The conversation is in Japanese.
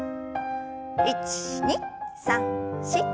１２３４。